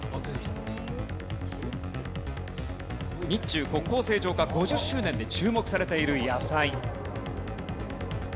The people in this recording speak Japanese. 日中国交正常化５０周年で注目されている野菜。